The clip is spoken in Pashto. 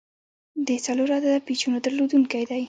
د څلور عدده پیچونو درلودونکی دی.